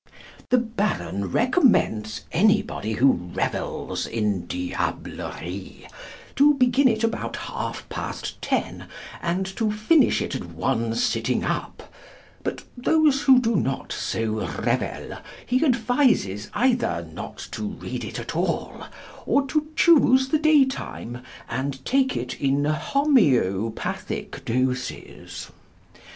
The Baron recommends any body who revels in diablerie, to begin it about half past ten, and to finish it at one sitting up; but those who do not so revel he advises either not to read it at all, or to choose the daytime, and take it in homoeopathic doses.